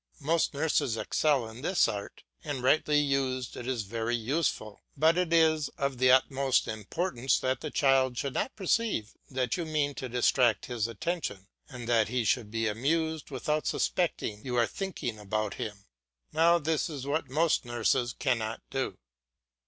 Most nurses excel in this art, and rightly used it is very useful; but it is of the utmost importance that the child should not perceive that you mean to distract his attention, and that he should be amused without suspecting you are thinking about him; now this is what most nurses cannot do.